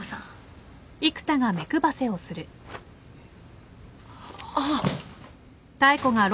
あっ。